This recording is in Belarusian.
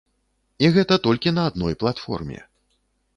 І гэта толькі на адной платформе.